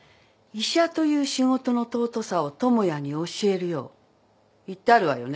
医者という仕事の尊さを智也に教えるよう言ってあるわよね。